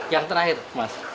yang terakhir mas